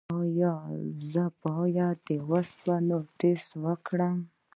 ایا زه باید د اوسپنې ټسټ وکړم؟